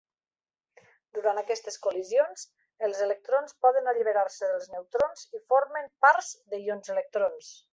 Durant aquestes col·lisions, els electrons poden alliberar-se dels neutrons i formen pars de ions-electrons.